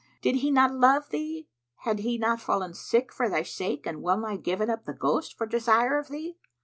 Did he not love thee, he had not fallen sick for thy sake and well nigh given up the ghost for desire of thee."